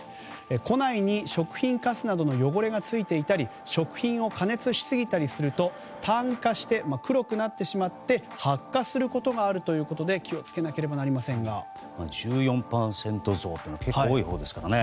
庫内に食品かすなどの汚れがついていたり食品を加熱しすぎたりして炭化して黒くなって発火することがあるということで１４％増というのは結構多いほうですからね。